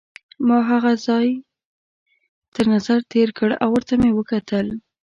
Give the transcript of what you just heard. ما هغه ځای تر نظر تېر کړ او ورته مې وکتل.